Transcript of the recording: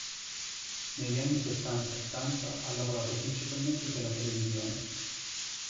Negli anni settanta e ottanta ha lavorato principalmente per la televisione.